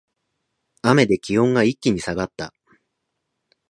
雨で気温が一気に下がった